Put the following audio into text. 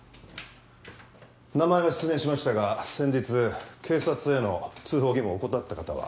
名前は失念しましたが先日警察への通報義務を怠った方は？